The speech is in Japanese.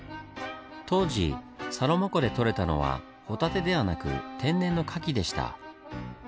当時サロマ湖でとれたのはホタテではなく天然のカキでした。